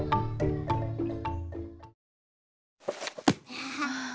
はあ。